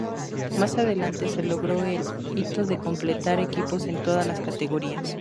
Más adelante, se logró el hito de completar equipo en todas las categorías.